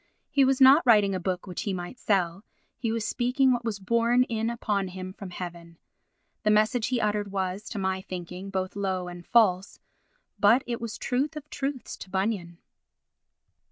He was not writing a book which he might sell, he was speaking what was borne in upon him from heaven. The message he uttered was, to my thinking, both low and false, but it was truth of truths to Bunyan.